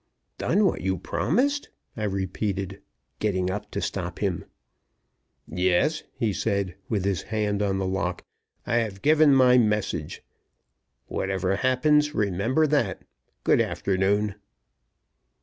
"Done what you promised?" I repeated, getting up to stop him. "Yes," he said, with his hand on the lock. "I have given my message. Whatever happens, remember that. Good afternoon."